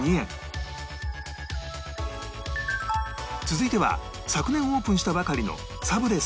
続いては昨年オープンしたばかりのサブレ